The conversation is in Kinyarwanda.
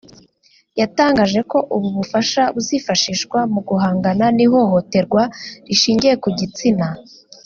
yatangaje ko ubu bufasha buzifashishwa mu guhangana n’ihohoterwa rishingiye ku gitsina